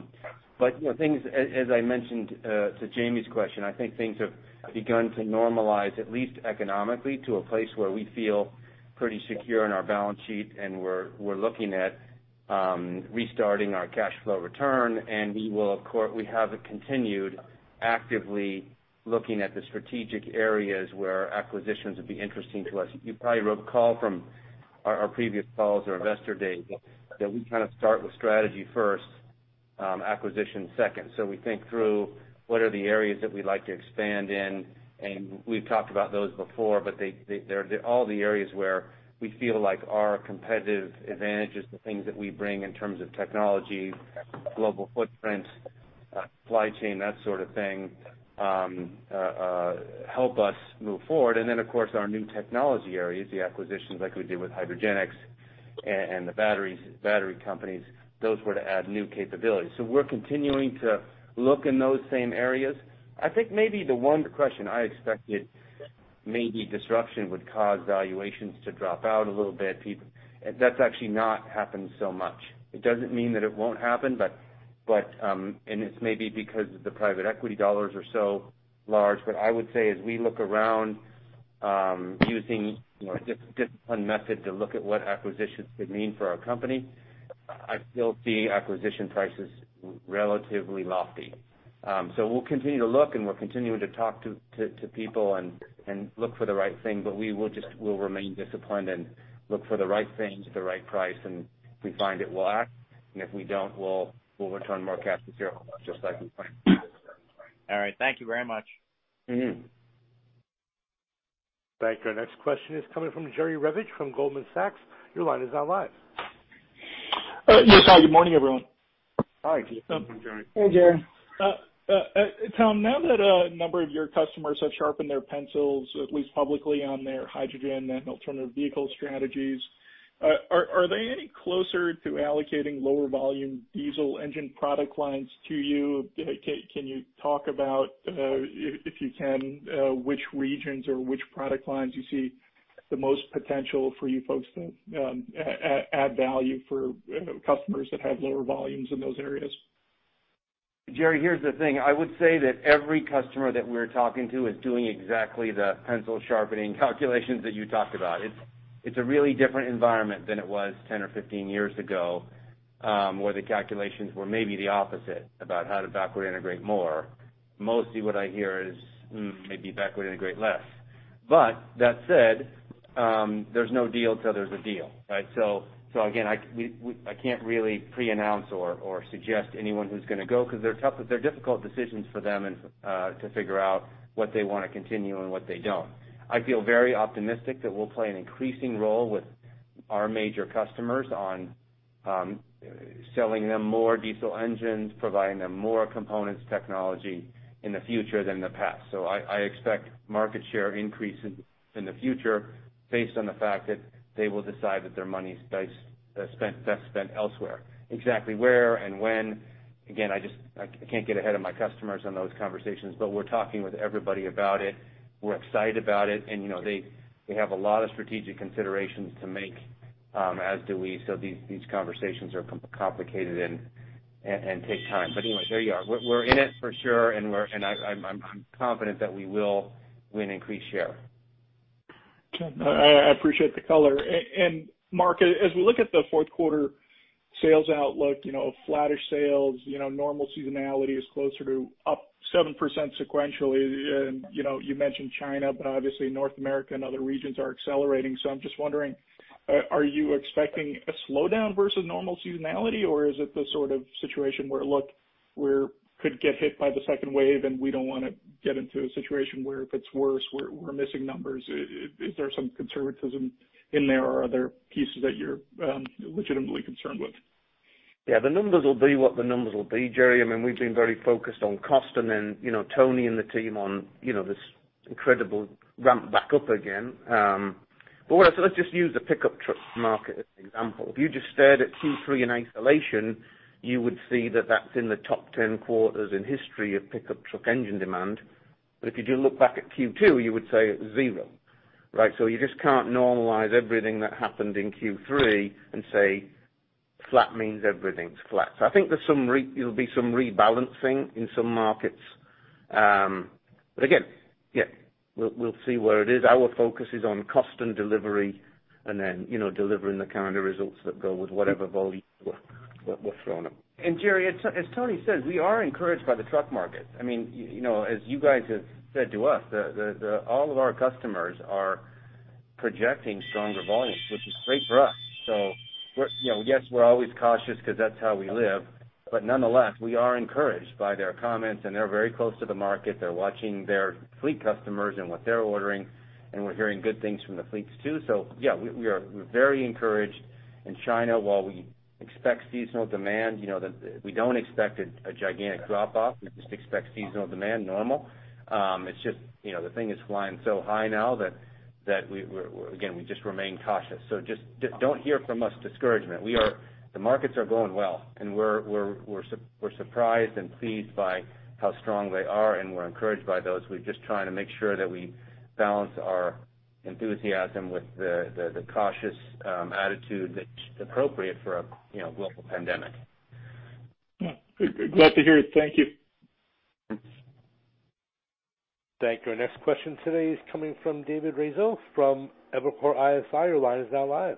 I mentioned to Jamie's question, I think things have begun to normalize, at least economically, to a place where we feel pretty secure in our balance sheet and we're looking at restarting our cash flow return. We have continued actively looking at the strategic areas where acquisitions would be interesting to us. You probably recall from our previous calls or investor day that we kind of start with strategy first, acquisition second. We think through what are the areas that we'd like to expand in, and we've talked about those before, but they're all the areas where we feel like our competitive advantage is the things that we bring in terms of technology, global footprint, supply chain, that sort of thing, help us move forward. Then, of course, our new technology areas, the acquisitions like we did with Hydrogenics and the battery companies, those were to add new capabilities. We're continuing to look in those same areas. I think maybe the one question I expected, maybe disruption would cause valuations to drop out a little bit. That's actually not happened so much. It doesn't mean that it won't happen, it's maybe because the private equity dollars are so large, but I would say as we look around using a disciplined method to look at what acquisitions could mean for our company, I still see acquisition prices relatively lofty. We'll continue to look and we're continuing to talk to people and look for the right thing, but we'll remain disciplined and look for the right things at the right price. If we find it, we'll act. If we don't, we'll return more cash to shareholders just like we planned. All right. Thank you very much. Thank you. Our next question is coming from Jerry Revich from Goldman Sachs. Your line is now live. Yes. Good morning, everyone. Hi, Jerry. Good morning, Jerry. Hey, Jerry. Tom, now that a number of your customers have sharpened their pencils, at least publicly, on their hydrogen and alternative vehicle strategies, are they any closer to allocating lower volume diesel engine product lines to you? Can you talk about if you can, which regions or which product lines you see the most potential for you folks to add value for customers that have lower volumes in those areas? Jerry, here's the thing. I would say that every customer that we're talking to is doing exactly the pencil sharpening calculations that you talked about. It's a really different environment than it was 10 or 15 years ago, where the calculations were maybe the opposite about how to backward integrate more. Mostly what I hear is maybe backward integrate less. That said, there's no deal till there's a deal, right? Again, I can't really pre-announce or suggest anyone who's going to go because they're difficult decisions for them to figure out what they want to continue and what they don't. I feel very optimistic that we'll play an increasing role with our major customers on selling them more diesel engines, providing them more components technology in the future than the past. I expect market share increase in the future based on the fact that they will decide that their money's best spent elsewhere. Exactly where and when, again, I can't get ahead of my customers on those conversations, but we're talking with everybody about it. We're excited about it, and they have a lot of strategic considerations to make, as do we. These conversations are complicated and take time. Anyway, there you are. We're in it for sure, and I'm confident that we will win increased share. I appreciate the color. Mark, as we look at the fourth quarter sales outlook, flattish sales, normal seasonality is closer to up 7% sequentially. You mentioned China, obviously North America and other regions are accelerating. I'm just wondering, are you expecting a slowdown versus normal seasonality, or is it the sort of situation where, look, we could get hit by the second wave and we don't want to get into a situation where if it's worse, we're missing numbers. Is there some conservatism in there, or are there pieces that you're legitimately concerned with? Yeah, the numbers will be what the numbers will be, Jerry. We've been very focused on cost and then Tony and the team on this incredible ramp back up again. Let's just use the pickup truck market as an example. If you just stared at Q3 in isolation, you would see that that's in the top 10 quarters in history of pickup truck engine demand. If you just look back at Q2, you would say it was zero, right? You just can't normalize everything that happened in Q3 and say flat means everything's flat. I think there'll be some rebalancing in some markets. Again, we'll see where it is. Our focus is on cost and delivery and then delivering the kind of results that go with whatever volume we're throwing up. Jerry, as Tony says, we are encouraged by the truck market. As you guys have said to us, all of our customers are projecting stronger volumes, which is great for us. Yes, we're always cautious because that's how we live. Nonetheless, we are encouraged by their comments, and they're very close to the market. They're watching their fleet customers and what they're ordering, and we're hearing good things from the fleets, too. Yeah, we're very encouraged in China. While we expect seasonal demand, we don't expect a gigantic drop-off. We just expect seasonal demand normal. It's just the thing is flying so high now that again, we just remain cautious. Just don't hear from us discouragement. The markets are going well, and we're surprised and pleased by how strong they are, and we're encouraged by those. We're just trying to make sure that we balance our enthusiasm with the cautious attitude that's appropriate for a global pandemic. Glad to hear it. Thank you. Thank you. Our next question today is coming from David Raso from Evercore ISI. Your line is now live.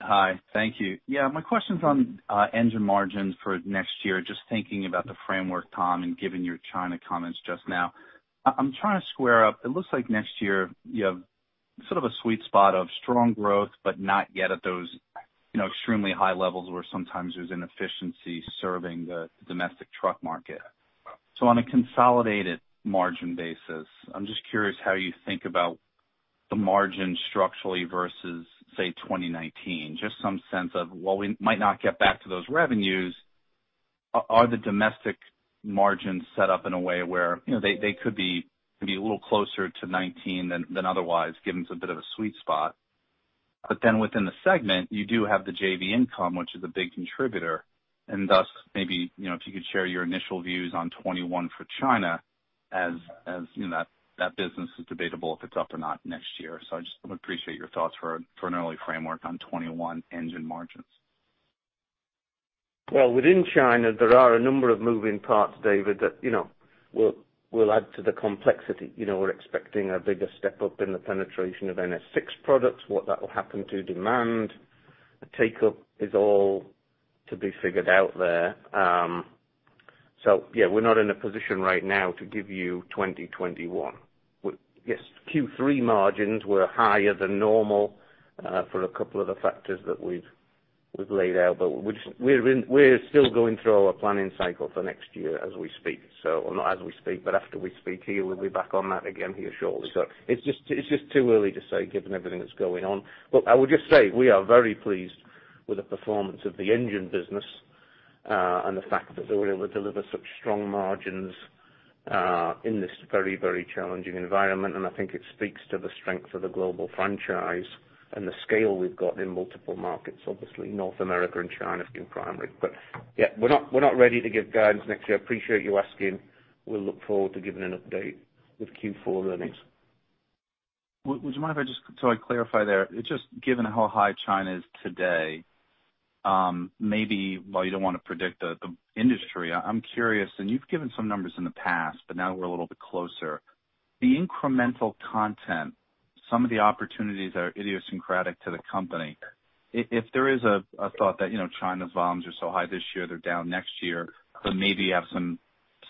Hi. Thank you. My question's on engine margins for next year. Just thinking about the framework, Tom, and given your China comments just now, I'm trying to square up. It looks like next year you have sort of a sweet spot of strong growth, but not yet at those extremely high levels where sometimes there's inefficiency serving the domestic truck market. On a consolidated margin basis, I'm just curious how you think about the margin structurally versus, say, 2019. Just some sense of while we might not get back to those revenues, are the domestic margins set up in a way where they could be a little closer to 2019 than otherwise, giving us a bit of a sweet spot. Within the segment, you do have the JV income, which is a big contributor, and thus maybe if you could share your initial views on 2021 for China as that business is debatable if it's up or not next year. I would appreciate your thoughts for an early framework on 2021 engine margins. Within China, there are a number of moving parts, David, that will add to the complexity. We're expecting a bigger step-up in the penetration of NSVI products, what that will happen to demand. The take-up is all to be figured out there. Yeah, we're not in a position right now to give you 2021. Yes, Q3 margins were higher than normal for a couple of the factors that we've laid out, we're still going through our planning cycle for next year as we speak. Not as we speak, after we speak to you, we'll be back on that again here shortly. It's just too early to say given everything that's going on. I would just say we are very pleased with the performance of the engine business and the fact that we were able to deliver such strong margins in this very, very challenging environment. I think it speaks to the strength of the global franchise and the scale we've got in multiple markets. Obviously, North America and China have been primary. Yeah, we're not ready to give guidance next year. I appreciate you asking. We'll look forward to giving an update with Q4 earnings. Would you mind if I just clarify there? Just given how high China is today, maybe while you don't want to predict the industry, I'm curious, and you've given some numbers in the past, but now we're a little bit closer. The incremental content, some of the opportunities are idiosyncratic to the company. If there is a thought that China's volumes are so high this year, they're down next year, so maybe you have some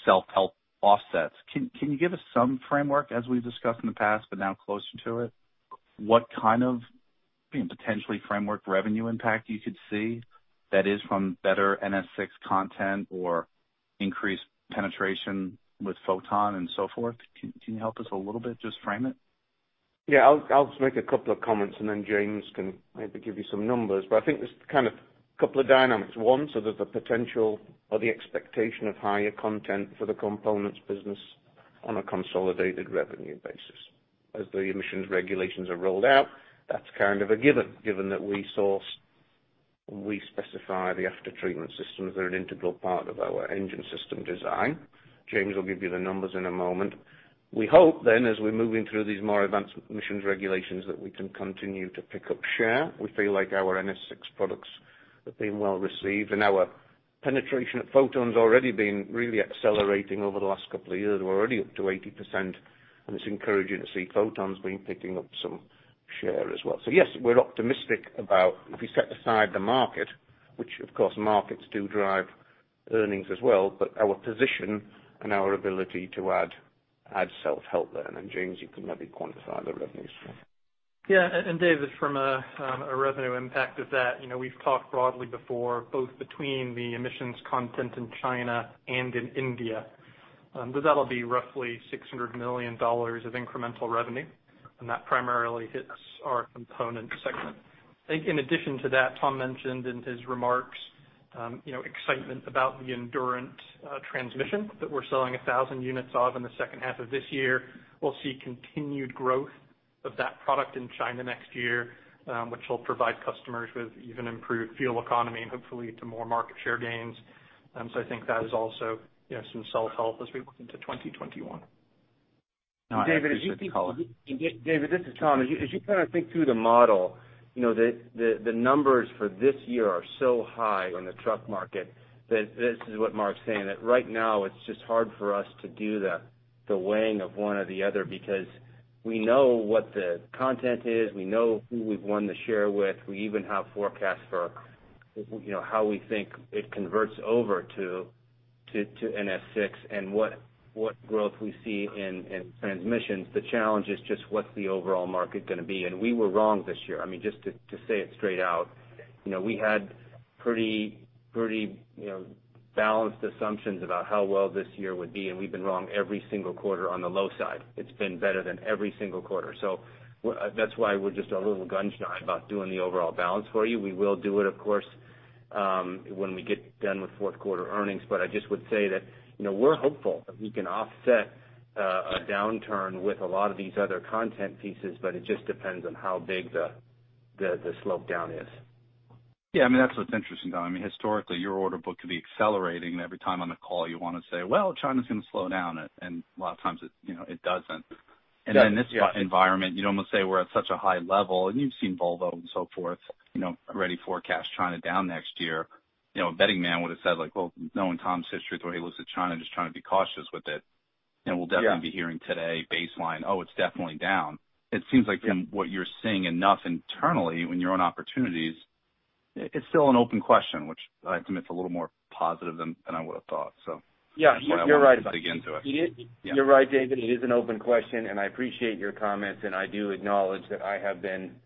self-help offsets. Can you give us some framework, as we've discussed in the past, but now closer to it? What kind of potentially framework revenue impact you could see that is from better NSVI content or. Increased penetration with Foton and so forth. Can you help us a little bit, just frame it? I'll just make a couple of comments and then James can maybe give you some numbers. I think there's kind of couple of dynamics. One, there's a potential or the expectation of higher content for the components business on a consolidated revenue basis. As the emissions regulations are rolled out, that's kind of a given that we source and we specify the after-treatment systems. They're an integral part of our engine system design. James will give you the numbers in a moment. We hope then, as we're moving through these more advanced emissions regulations, that we can continue to pick up share. We feel like our NSVI products have been well-received, and our penetration at Foton's already been really accelerating over the last couple of years. We're already up to 80%, and it's encouraging to see Foton's been picking up some share as well. Yes, we're optimistic about if we set aside the market, which of course, markets do drive earnings as well, but our position and our ability to add self-help there. James, you can maybe quantify the revenues for me. Yeah. David, from a revenue impact of that, we've talked broadly before, both between the emissions content in China and in India. That'll be roughly $600 million of incremental revenue, that primarily hits our component segment. I think in addition to that, Tom mentioned in his remarks, excitement about the Endurant transmission that we're selling 1,000 units of in the second half of this year. We'll see continued growth of that product in China next year, which will provide customers with even improved fuel economy and hopefully to more market share gains. I think that is also some self-help as we look into 2021. David, if you. No, I appreciate the color. David, this is Tom. As you kind of think through the model, the numbers for this year are so high on the truck market that this is what Mark's saying, that right now it's just hard for us to do the weighing of one or the other because we know what the content is, we know who we've won the share with. We even have forecasts for how we think it converts over to NSVI and what growth we see in transmissions. The challenge is just what's the overall market going to be? We were wrong this year. I mean, just to say it straight out. We had pretty balanced assumptions about how well this year would be, and we've been wrong every single quarter on the low side. It's been better than every single quarter. That's why we're just a little gun-shy about doing the overall balance for you. We will do it, of course, when we get done with fourth quarter earnings. I just would say that, we're hopeful that we can offset a downturn with a lot of these other content pieces, but it just depends on how big the slope down is. Yeah, that's what's interesting, Tom. Historically, your order book could be accelerating and every time on the call you want to say, "Well, China's going to slow down," and a lot of times it doesn't. Yeah. In this environment, you'd almost say we're at such a high level, and you've seen Volvo and so forth already forecast China down next year. A betting man would've said, well, knowing Tom's history, the way he looks at China, just trying to be cautious with it. Yeah. We'll definitely be hearing today baseline, it's definitely down. It seems like from what you're seeing enough internally in your own opportunities, it's still an open question, which I assume it's a little more positive than I would've thought. Yeah, you're right. That's what I wanted to dig into it. You're right, David. It is an open question, and I appreciate your comments, and I do acknowledge that I have been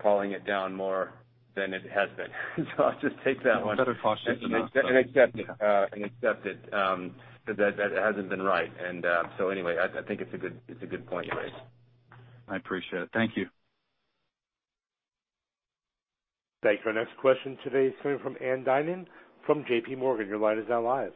calling it down more than it has been. I'll just take that one. No, better cautious than not, so yeah. Accept it. That hasn't been right. Anyway, I think it's a good point you raise. I appreciate it. Thank you. Thanks. Our next question today is coming from Ann Duignan from JPMorgan. Your line is now live.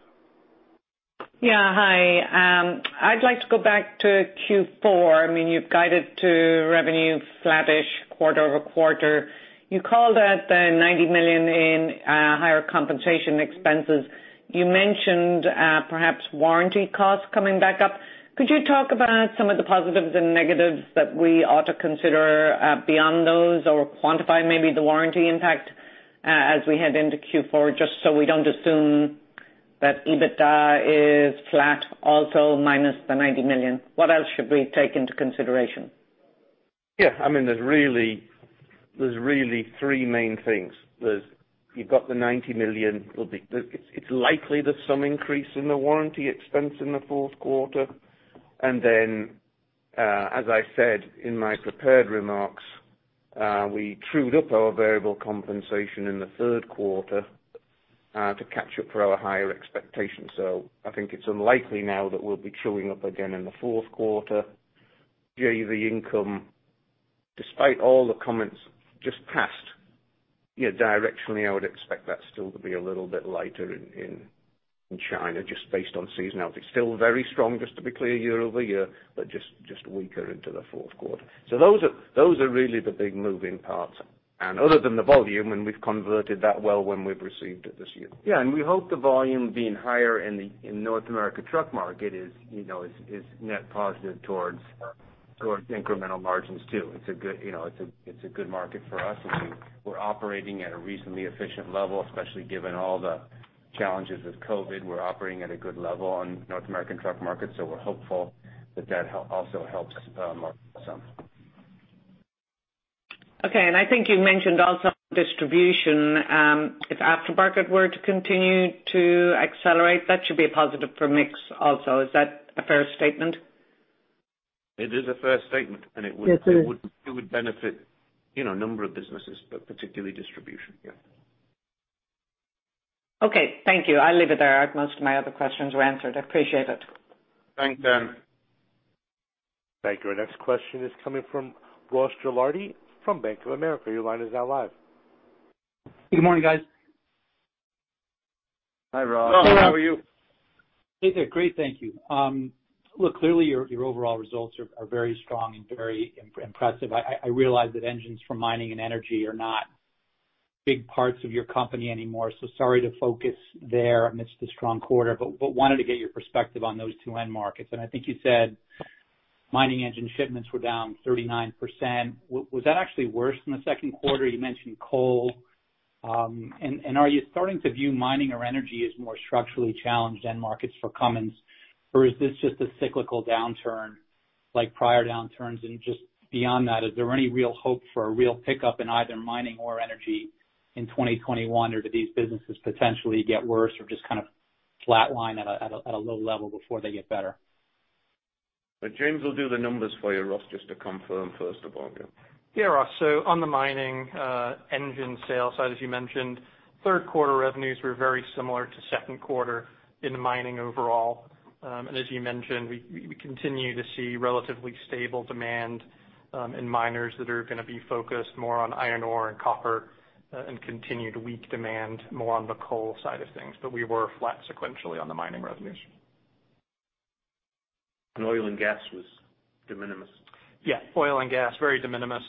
Yeah. Hi. I'd like to go back to Q4. You've guided to revenue flattish quarter-over-quarter. You called out the $90 million in higher compensation expenses. You mentioned perhaps warranty costs coming back up. Could you talk about some of the positives and negatives that we ought to consider beyond those, or quantify maybe the warranty impact as we head into Q4, just so we don't assume that EBITDA is flat, also minus the $90 million. What else should we take into consideration? Yeah. There's really three main things. You've got the $90 million. It's likely there's some increase in the warranty expense in the fourth quarter. Then, as I said in my prepared remarks, we trued up our variable compensation in the third quarter to capture for our higher expectations. I think it's unlikely now that we'll be truing up again in the fourth quarter. JV income, despite all the comments just passed, directionally, I would expect that still to be a little bit lighter in China, just based on seasonality. Still very strong, just to be clear, year-over-year, but just weaker into the fourth quarter. Those are really the big moving parts. Other than the volume, and we've converted that well when we've received it this year. Yeah, we hope the volume being higher in North American truck market is net positive towards incremental margins too. It's a good market for us. We're operating at a reasonably efficient level, especially given all the challenges with COVID. We're operating at a good level on North American truck market. We're hopeful that that also helps margins some. Okay, I think you mentioned also distribution. If aftermarket were to continue to accelerate, that should be a positive for mix also. Is that a fair statement? It is a fair statement. It is. Benefit a number of businesses, but particularly distribution, yeah. Okay, thank you. I'll leave it there. Most of my other questions were answered. I appreciate it. Thanks, Ann. Thank you. Our next question is coming from Ross Gilardi from Bank of America. Your line is now live. Good morning, guys. Hi, Ross. Ross, how are you? Hey there. Great, thank you. Clearly, your overall results are very strong and very impressive. I realize that engines for mining and energy are not big parts of your company anymore. Sorry to focus there amidst the strong quarter, but wanted to get your perspective on those two end markets. I think you said mining engine shipments were down 39%. Was that actually worse than the second quarter? You mentioned coal. Are you starting to view mining or energy as more structurally challenged end markets for Cummins, or is this just a cyclical downturn like prior downturns? Just beyond that, is there any real hope for a real pickup in either mining or energy in 2021, or do these businesses potentially get worse or just kind of flatline at a low level before they get better? James will do the numbers for you, Ross, just to confirm first of all, yeah. Yeah, Ross. On the mining engine sales side, as you mentioned, third quarter revenues were very similar to second quarter in mining overall. As you mentioned, we continue to see relatively stable demand in miners that are going to be focused more on iron ore and copper, and continued weak demand more on the coal side of things. We were flat sequentially on the mining revenues. Oil and gas was de minimis? Yeah. Oil and gas, very de minimis.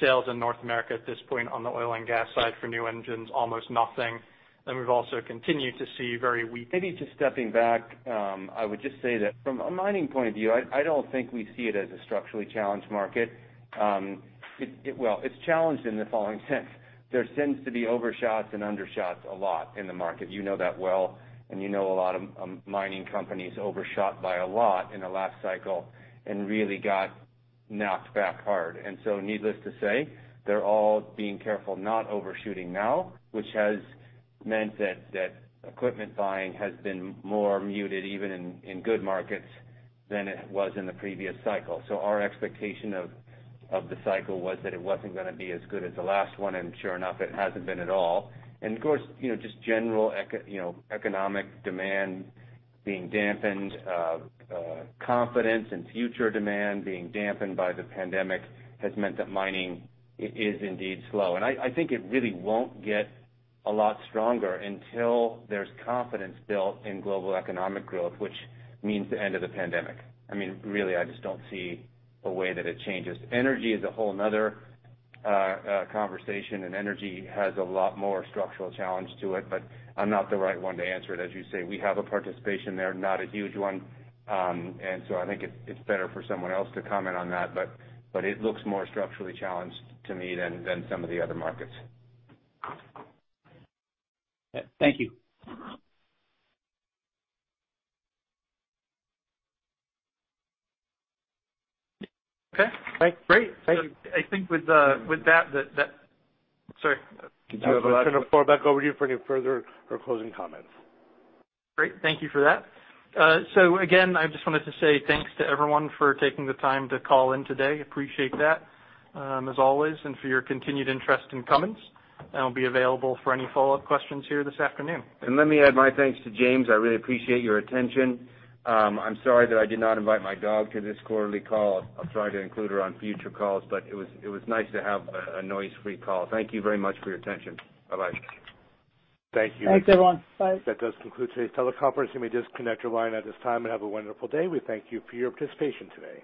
Sales in North America at this point on the oil and gas side for new engines, almost nothing. We've also continued to see very weak- Maybe just stepping back, I would just say that from a mining point of view, I don't think we see it as a structurally challenged market. Well, it's challenged in the following sense. There tends to be overshots and undershots a lot in the market. You know that well, you know a lot of mining companies overshot by a lot in the last cycle and really got knocked back hard. Needless to say, they're all being careful not overshooting now, which has meant that equipment buying has been more muted, even in good markets, than it was in the previous cycle. Our expectation of the cycle was that it wasn't going to be as good as the last one, and sure enough, it hasn't been at all. Of course, just general economic demand being dampened, confidence and future demand being dampened by the pandemic has meant that mining is indeed slow. I think it really won't get a lot stronger until there's confidence built in global economic growth, which means the end of the pandemic. Really, I just don't see a way that it changes. Energy is a whole another conversation, and energy has a lot more structural challenge to it, but I'm not the right one to answer it. As you say, we have a participation there, not a huge one. I think it's better for someone else to comment on that. It looks more structurally challenged to me than some of the other markets. Thank you. Okay. Thanks. Great. Thank you. I think with that. Sorry. I was going to forward back over to you for any further or closing comments. Great. Thank you for that. Again, I just wanted to say thanks to everyone for taking the time to call in today. Appreciate that, as always, and for your continued interest in Cummins. I'll be available for any follow-up questions here this afternoon. Let me add my thanks to James. I really appreciate your attention. I'm sorry that I did not invite my dog to this quarterly call. I'll try to include her on future calls. It was nice to have a noise-free call. Thank you very much for your attention. Bye-bye. Thank you. Thanks, everyone. Bye. That does conclude today's teleconference. You may disconnect your line at this time, and have a wonderful day. We thank you for your participation today.